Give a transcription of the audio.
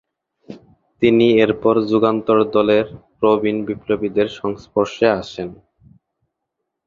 তিনি এরপর যুগান্তর দলের প্রবীন বিপ্লবীদের সংস্পর্শে আসেন।